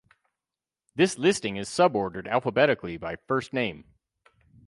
This listing is subordered alphabetically by first name.